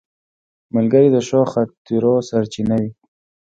ملګری د ښو خاطرو سرچینه وي